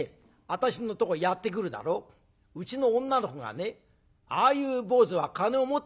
私のとこへやって来るだろうちの女の子がねああいう坊主は金を持ってんのかね？